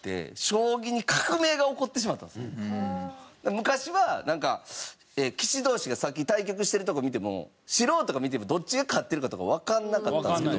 昔はなんか棋士同士が対局してるとこ見ても素人が見てもどっちが勝ってるかとかわからなかったんですけど。